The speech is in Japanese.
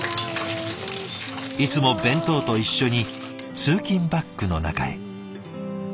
いつも弁当と一緒に通勤バッグの中へ。